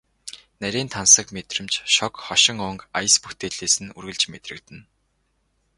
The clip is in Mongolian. Нарийн тансаг мэдрэмж, шог хошин өнгө аяс бүтээлээс нь үргэлж мэдрэгдэнэ.